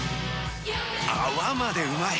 泡までうまい！